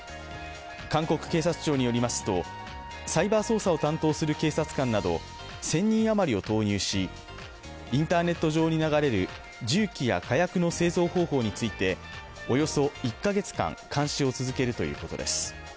韓国警察庁によりますとサイバー捜査を担当する警察官など１０００人あまりを投入しインターネット上に流れる銃器や火薬の製造方法についておよそ１カ月間監視を続けるということです。